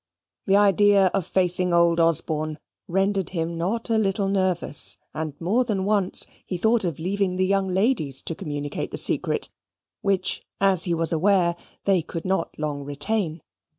The idea of facing old Osborne rendered him not a little nervous, and more than once he thought of leaving the young ladies to communicate the secret, which, as he was aware, they could not long retain.